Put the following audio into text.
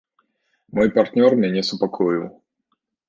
Мой партнёр мяне супакоіў.